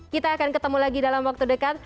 kita akan ketemu lagi dalam waktu dekat